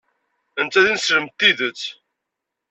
Netta d ineslem n tidet.